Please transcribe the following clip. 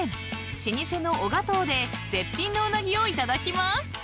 老舗の「小川藤」で絶品のうなぎをいただきます］